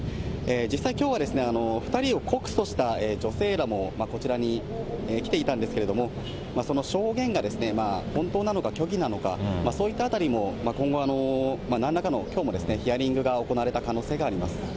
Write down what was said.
実際、きょうはですね、２人を告訴した女性らもこちらに来ていたんですけれども、その証言が本当なのか虚偽なのか、そういったあたりも、今後なんらかの、きょうもヒアリングが行われた可能性があります。